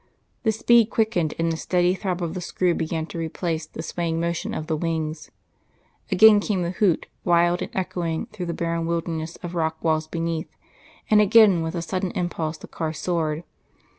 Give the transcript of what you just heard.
The speed quickened, and the steady throb of the screw began to replace the swaying motion of the wings. Again came the hoot, wild and echoing through the barren wilderness of rock walls beneath, and again with a sudden impulse the car soared.